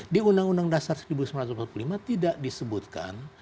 di undang undang dasar seribu sembilan ratus empat puluh lima tidak disebutkan